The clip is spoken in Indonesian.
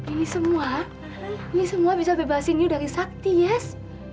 ini semua bisa bebasin kamu dari sakti yes